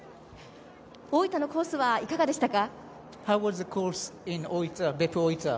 大分のコースはいかがでしたか？